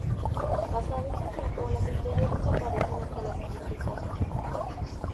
Pasado este tiempo, las estrellas desaparecen hasta la siguiente compra.